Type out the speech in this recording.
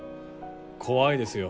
怖いですよ。